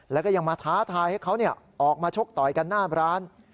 แล้วก็ยังมาท้าทายให้เขาออกมาชกต่อยกันหน้าร้าน